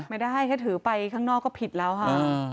ไม่ได้แค่ถือไปข้างนอกก็ผิดแล้วค่ะ